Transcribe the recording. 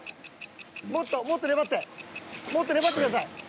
［もっともっと粘ってもっと粘ってください］